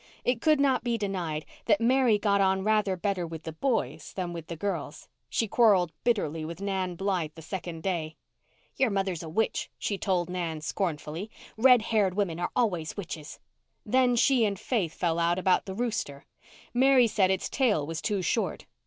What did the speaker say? It could not be denied that Mary got on rather better with the boys than with the girls. She quarrelled bitterly with Nan Blythe the second day. "Your mother is a witch," she told Nan scornfully. "Red haired women are always witches." Then she and Faith fell out about the rooster. Mary said its tail was too short.